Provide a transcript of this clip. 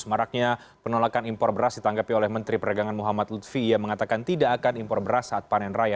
maraknya penolakan impor beras ditanggapi oleh menteri perdagangan muhammad lutfi yang mengatakan tidak akan impor beras saat panen raya